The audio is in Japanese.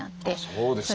そうですか。